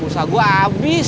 pursa gua abis